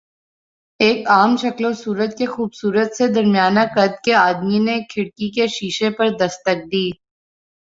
ایک عام شکل و صورت کے خوبصورت سے درمیانہ قد کے آدمی نے کھڑکی کے شیشے پر دستک دی۔